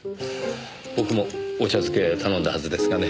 僕もお茶漬け頼んだはずですがね。